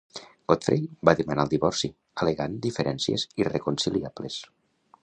Godfrey va demanar el divorci, al·legant diferències irreconciliables.